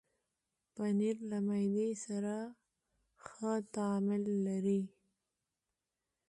پنېر له معدې سره ښه تعامل لري.